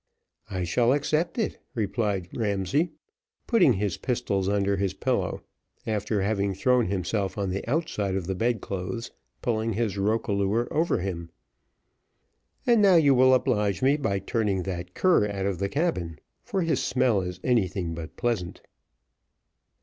"I shall accept it," replied Ramsay, putting his pistols under his pillow, after having thrown himself on the outside of the bedclothes, pulling his roquelaure over him. "And now you will oblige me by turning that cur out of the cabin, for his smell is anything but pleasant."